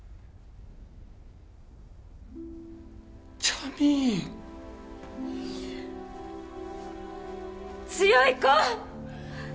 ジャミーン強い子！